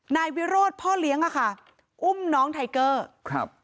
นายวิโรธพ่อเลี้ยงอะค่ะอุ้มน้องไทเกอร์ครับ